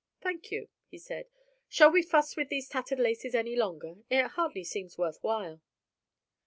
"Thank you," he said. "Shall we fuss with these tattered laces any longer? It hardly seems worth while."